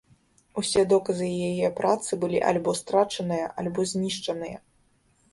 Усе доказы яе працы былі альбо страчаныя, альбо знішчаныя.